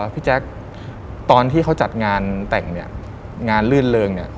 พี่แจ็คตอนที่เขาจัดงานแต่งงานลื่นเลิง